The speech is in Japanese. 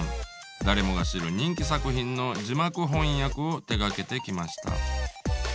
誰もが知る人気作品の字幕翻訳を手がけてきました。